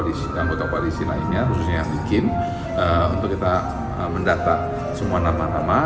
dan anggota koalisi lainnya khususnya yang di kim untuk kita mendata semua nama nama